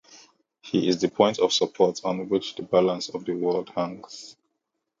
He is the point of support on which the balance of the world hangs.